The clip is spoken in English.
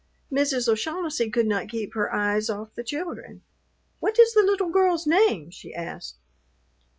Mrs. O'Shaughnessy could not keep her eyes off the children. "What is the little girl's name?" she asked.